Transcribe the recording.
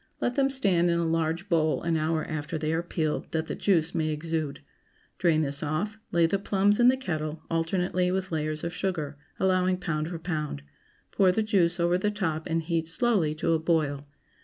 Let them stand in a large bowl an hour after they are peeled, that the juice may exude. Drain this off; lay the plums in the kettle, alternately with layers of sugar, allowing pound for pound; pour the juice over the top and heat slowly to a boil.